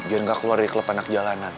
agar dia tidak keluar dari kelab anak jalanan